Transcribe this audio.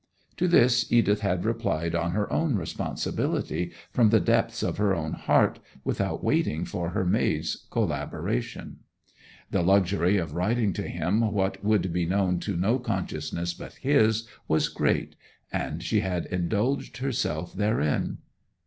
To this Edith had replied on her own responsibility, from the depths of her own heart, without waiting for her maid's collaboration. The luxury of writing to him what would be known to no consciousness but his was great, and she had indulged herself therein.